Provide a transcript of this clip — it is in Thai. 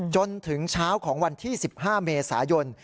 จนถึงเช้าของวันที่๑๕เมษายน